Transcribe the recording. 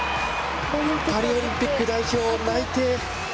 パリオリンピック代表内定。